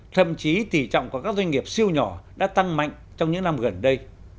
thậm chí tỷ trọng của các doanh nghiệp siêu nhỏ đã tăng mạnh trong những năm gần đây